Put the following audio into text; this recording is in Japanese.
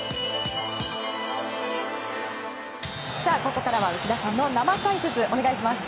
ここからは、内田さんの生解説お願いします。